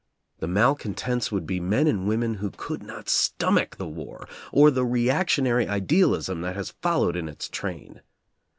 The malcontents would be men and women who could not stomach the war, or the reactionary idealism that has followed in its train.